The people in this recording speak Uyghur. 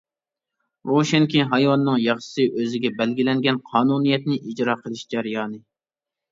روشەنكى، ھايۋاننىڭ ياخشىسى ئۆزىگە بەلگىلەنگەن قانۇنىيەتنى ئىجرا قىلىش جەريانى.